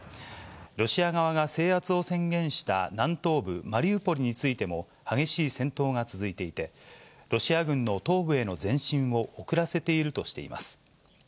ロシア側が制圧を宣言した南東部マリウポリについても、激しい戦闘が続いていて、ロシア軍の東部への前進を遅らせているとしています。